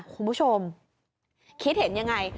คุณผู้ชมคิดเห็นยังไง